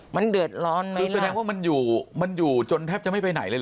มันเดือดร้อนไหมคือแสดงว่ามันอยู่มันอยู่จนแทบจะไม่ไปไหนเลยเห